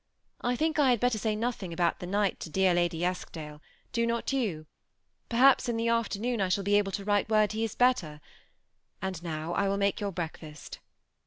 I think I had better saj nothing about the night to dear Ladj Eskdale ; do not JOU ? Periiaps in the aflemoon I shall be able to write word he is better; and now I will make jour breakfast."